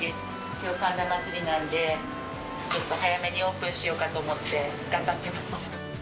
きょう神田祭なんで、結構早めにオープンしようかと思って、頑張ってます。